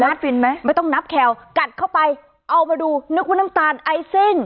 ฟินไหมไม่ต้องนับแคลกัดเข้าไปเอามาดูนึกว่าน้ำตาลไอซิ่ง